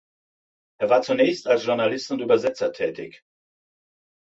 Er war zunächst als Journalist und Übersetzer tätig.